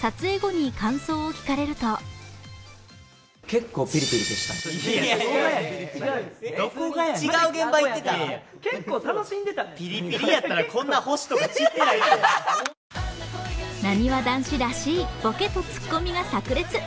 撮影後に感想を聞かれるとなにわ男子らしいボケとツッコミがさく裂。